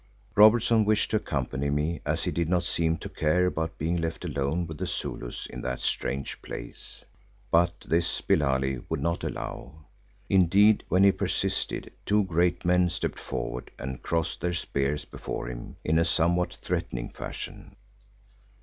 Robertson wished to accompany me, as he did not seem to care about being left alone with the Zulus in that strange place, but this Billali would not allow. Indeed, when he persisted, two great men stepped forward and crossed their spears before him in a somewhat threatening fashion.